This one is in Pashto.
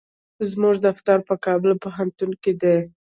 زموږ دفتر په کابل پوهنتون کې دی.